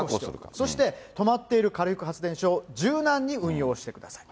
そして止まっている火力発電所を柔軟に運用してください。